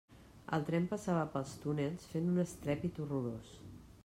El tren passava pels túnels fent un estrèpit horrorós.